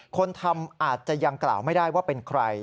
คนทำอาจจะยังกล่าวไม่ได้ว่าเป็นใคร